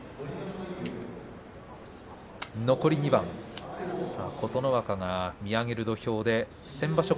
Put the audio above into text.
残り２番琴ノ若が見上げる土俵で先場所